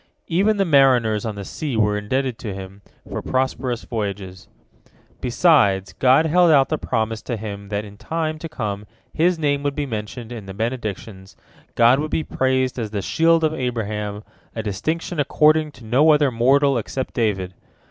Even the mariners on the sea were indebted to him for prosperous voyages. Besides, God held out the promise to him that in time to come his name would be mentioned in the Benedictions, God would be praised as the Shield of Abraham, a distinction accorded to no other mortal except David.